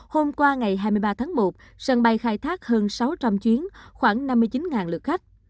hôm qua ngày hai mươi ba tháng một sân bay khai thác hơn sáu trăm linh chuyến khoảng năm mươi chín lượt khách